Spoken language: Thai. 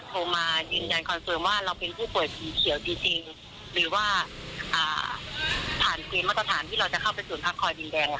โทรมายืนยันคอนเฟิร์มว่าเราเป็นผู้ป่วยสีเขียวจริงหรือว่าผ่านเกณฑ์มาตรฐานที่เราจะเข้าไปศูนย์พักคอยดินแดง